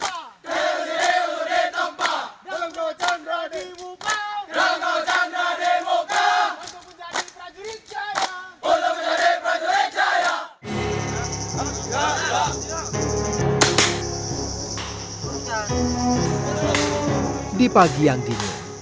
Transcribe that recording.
kepala kepala kepala